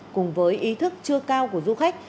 cùng với ý thức chưa cao của du khách